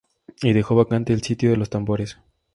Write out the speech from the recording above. Y dejó vacante el sitio de los tambores.